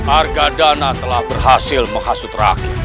arga dana telah berhasil menghasut rakyat